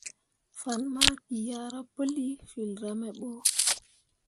Fan maki ah ra pəli filra me ɓo.